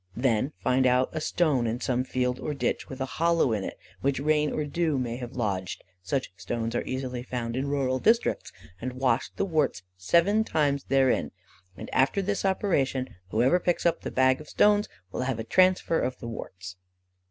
Then find out a stone in some field or ditch with a hollow in which rain or dew may have lodged (such stones are easily found in rural districts), and wash the warts seven times therein, and after this operation, whoever picks up the bag of stones will have a transfer of the warts."